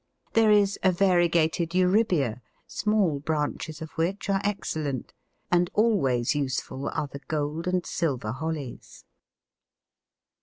There is a variegated Eurybia, small branches of which are excellent; and always useful are the gold and silver Hollies.